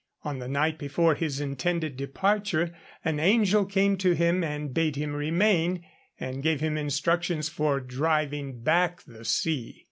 On the night before his intended departure an angel came to him and bade him remain, and gave him instructions for driving back the sea.